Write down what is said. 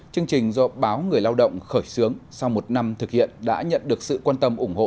chương trình do báo người lao động khởi xướng sau một năm thực hiện đã nhận được sự quan tâm ủng hộ